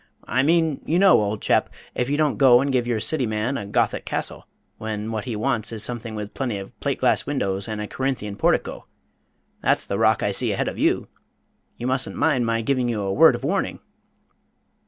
I mean, you know, old chap, if you don't go and give your City man a Gothic castle when what he wants is something with plenty of plate glass windows and a Corinthian portico. That's the rock I see ahead of you. You mustn't mind my giving you a word of warning!"